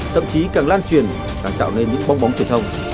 thậm chí càng lan truyền càng tạo nên những bong bóng truyền thông